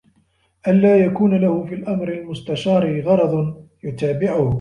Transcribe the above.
أَنْ لَا يَكُونَ لَهُ فِي الْأَمْرِ الْمُسْتَشَارِ غَرَضٌ يُتَابِعُهُ